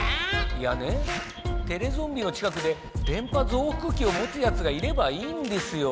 いやねテレゾンビの近くで電波ぞうふくきをもつヤツがいればいいんですよ。